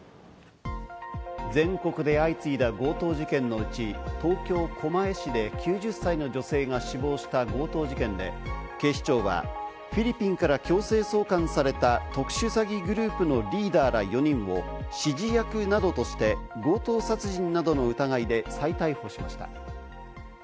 全国で相次いだ強盗事件のうち、東京・狛江市で９０歳の女性が死亡した強盗事件で、警視庁はフィリピンから強制送還された特殊詐欺グループのリーダーら４人を指示役などとして、強盗殺人などの疑いで再逮捕しました。